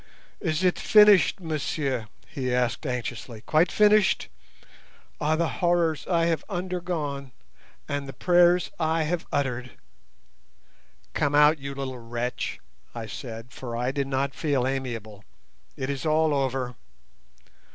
"Is it finished, monsieur?" he asked anxiously; "quite finished? Ah, the horrors I have undergone, and the prayers I have uttered!" "Come out, you little wretch," I said, for I did not feel amiable; "it is all over."